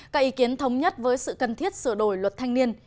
các ý kiến thống nhất với sự cần thiết sửa đổi luật thanh niên